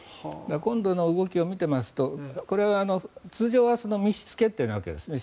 今度の動きを見ていますとこれは通常は密室決定なわけですよね。